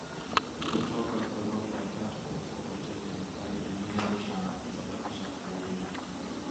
kutoka ghorofa ya tatu katika hoteli ya Impala jijini Arusha na kusababisha kuumia